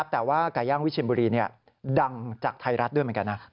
แต่ว่าไก่ย่างวิเชียนบุรีดังจากไทยรัฐด้วยเหมือนกันนะ